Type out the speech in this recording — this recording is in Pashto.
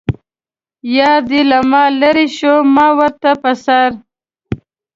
یار دې له ما لرې شه ما ورته په سر.